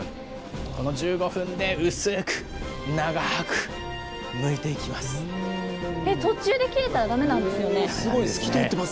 この１５分で薄ーく、長ーく、むいていきます。